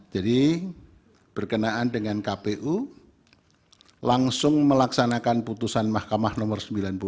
jadi berkenaan dengan kpu langsung melaksanakan putusan mahkamah nomor sembilan puluh